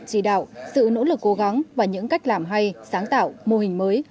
chỉ đạo sự nỗ lực cố gắng và những cách làm hay sáng tạo mô hình mới